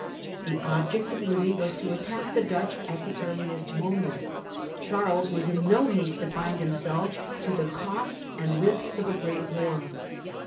The object of Louis was to attack the Dutch at the earliest moment ; Charles was in no haste to bind himself to the cost and risks of a great war.